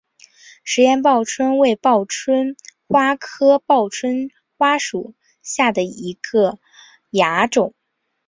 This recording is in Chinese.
石岩报春为报春花科报春花属下的一个亚种。